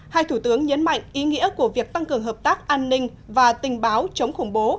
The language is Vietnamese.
một mươi năm hai thủ tướng nhấn mạnh ý nghĩa của việc tăng cường hợp tác an ninh và tình báo chống khủng bố